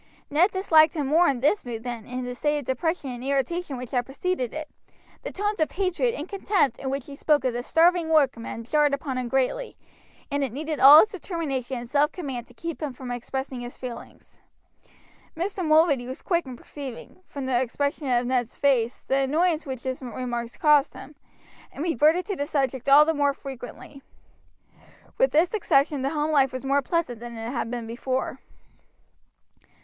Ned disliked him more in this mood than in the state of depression and irritation which had preceded it. The tones of hatred and contempt in which he spoke of the starving workmen jarred upon him greatly, and it needed all his determination and self command to keep him from expressing his feelings. Mr. Mulready was quick in perceiving, from the expression of Ned's face, the annoyance which his remarks caused him, and reverted to the subject all the more frequently. With this exception the home life was more pleasant than it had been before.